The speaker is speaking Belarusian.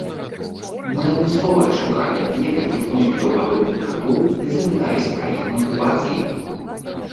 Мы адмыслова адшукалі некалькіх носьбітаў падобных тату ды запыталіся пра іх матывацыі.